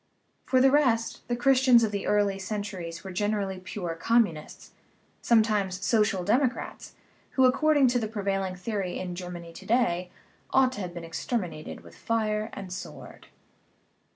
For the rest, the Christians of the early centuries were generally pure Communists, sometimes " Social Democrats," who, ac cording to the prevailing theory in Germany to day, ought to have been exterminated with fire and sword.